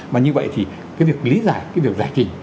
mà như vậy thì cái việc lý giải cái việc giải trình